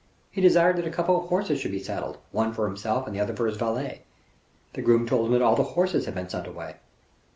He desired that a couple of horses should be saddled, one for himself and the other for his valet. The groom told him that all the horses had been sent away.